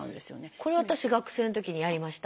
これ私学生のときにやりました。